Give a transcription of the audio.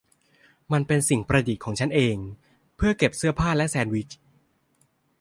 มันเป็นสิ่งประดิษฐ์ของฉันเอง เพื่อเก็บเสื้อผ้าและแซนด์วิช